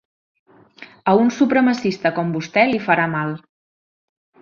A un supremacista com vostè li farà mal.